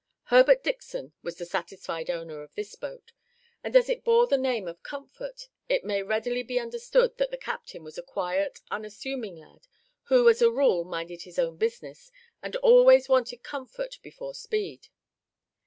Herbert Dickson was the satisfied owner of this boat, and as it bore the name of Comfort, it may readily be understood that the captain was a quiet, unassuming lad, who as a rule minded his own business, and always wanted comfort before speed.